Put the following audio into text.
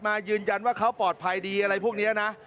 ยืนยันว่าเขาปลอดภัยดีอะไรพวกนี้นะ